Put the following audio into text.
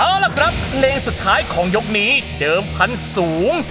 เอาล่ะครับเพลงสุดท้ายของยกนี้เดิมพันธุ์สูง